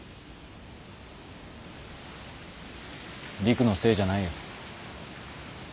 陸のせいじゃないよ。